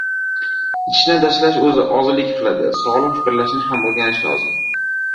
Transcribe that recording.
Ichishni tashlash o‘zi ozlik qiladi, sog‘lom fikrlashni ham o‘rganish lozim.